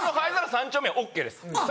３丁目はＯＫです。